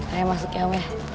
rea masuk ya om ya